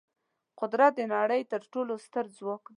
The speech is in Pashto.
قدرت د نړۍ تر ټولو ستر ځواک دی.